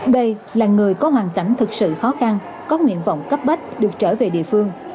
đây là người có hoàn cảnh thực sự khó khăn có nguyện vọng cấp bách được trở về địa phương